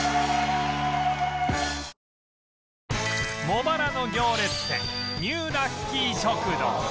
茂原の行列店ニューラッキー食堂